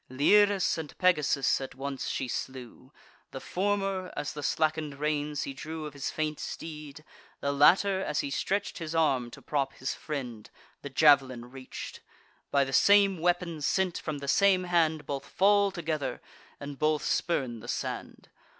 Liris and Pegasus at once she slew: The former, as the slacken'd reins he drew Of his faint steed; the latter, as he stretch'd His arm to prop his friend, the jav'lin reach'd. By the same weapon, sent from the same hand, Both fall together, and both spurn the sand.